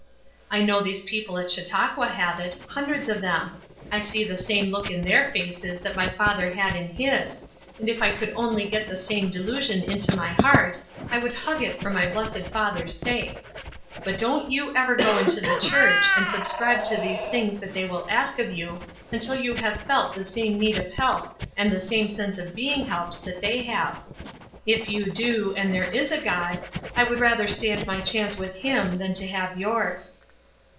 I know these people at Chautauqua have it, hundreds of them. I see the same look in their faces that my father had in his, and if I could only get the same delusion into my heart I would hug it for my blessed father's sake; but don't you ever go into the church and subscribe to these things that they will ask of you until you have felt the same need of help and the same sense of being helped that they have. If you do, and there is a God, I would rather stand my chance with him than to have yours."